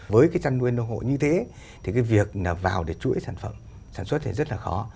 với cái chăn nuôi nông hộ như thế thì cái việc vào để chuỗi sản phẩm sản xuất thì rất là khó